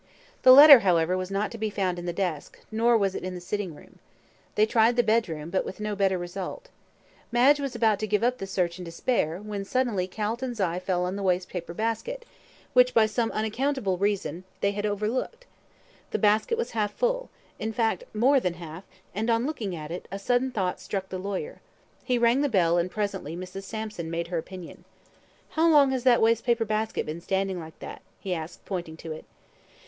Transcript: The letter, however, was not to be found in the desk, nor was it in the sitting room. They tried the bedroom, but with no better result. Madge was about to give up the search in despair, when suddenly Calton's eye fell on the waste paper basket, which, by some unaccountable reason, they had over looked. The basket was half full, in fact; more than half, and, on looking at it, a sudden thought struck the lawyer. He rang the bell, and presently Mrs. Sampson made her appearance. "How long has that waste paper basket been standing like that?" he asked, pointing to it.